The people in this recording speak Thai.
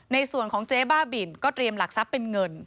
ในส่วนของเจ๊บ้าบินก็เตรียมหลักทรัพย์เป็นเงิน